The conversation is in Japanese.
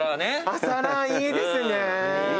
朝ラーいいですね。